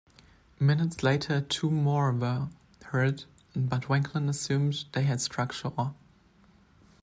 Minutes later two more were heard but Wanklyn assumed they had struck shore.